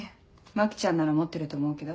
牧ちゃんなら持ってると思うけど。